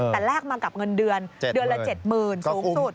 แต่แลกมากับเงินเดือนเดือนละ๗๐๐๐สูงสุด